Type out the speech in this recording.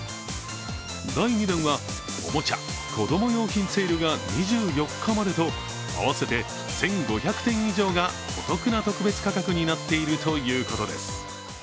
第２弾は、おもちゃ、子供用品セールが２４日までと合わせて１５００点以上がお得な特別価格になっているということです。